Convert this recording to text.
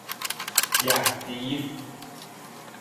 อย่างจี๊ด